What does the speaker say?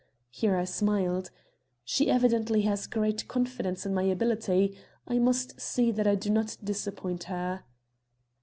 Here I smiled. "She evidently has great confidence in my ability. I must see that I do not disappoint her."